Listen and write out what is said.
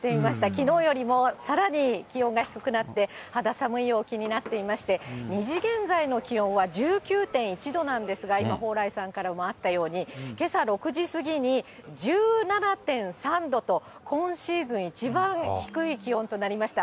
きのうよりもさらに気温が低くなって、肌寒い陽気になっていまして、２時現在の気温は１９．１度なんですが、今、蓬莱さんからもあったように、けさ６時過ぎに１７．３度と、今シーズン一番低い気温となりました。